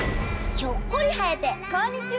ひょっこり生えてこんにちは。